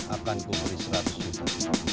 akan kuburi seratus juta